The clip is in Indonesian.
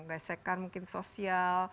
lesekan mungkin sosial